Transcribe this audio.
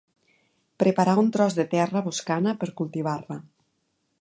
Preparar un tros de terra boscana per cultivar-la.